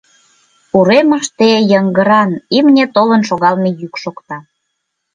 Уремыште йыҥгыран имне толын шогалме йӱк шокта.